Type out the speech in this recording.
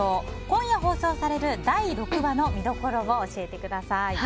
今夜放送される第６話の見どころを教えてください。